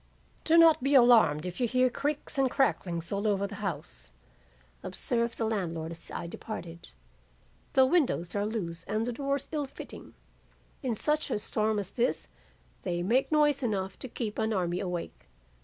"'Do not be alarmed if you hear creaks and cracklings all over the house,' observed the landlord as I departed. 'The windows are loose and the doors ill fitting. In such a storm as this they make noise enough to keep an army awake.